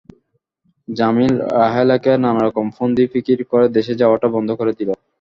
জামিল রাহেলাকে নানারকম ফন্দি ফিকির করে দেশে যাওয়াটাও বন্ধ করে দিল।